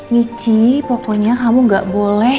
michi pokoknya kamu gak boleh